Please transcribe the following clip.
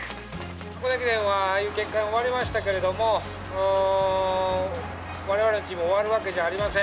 箱根駅伝はああいう結果に終わりましたけど、われわれのチーム、終わるわけじゃありません。